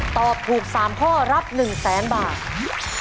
ตอบถูก๓ข้อรับ๑แสนบาท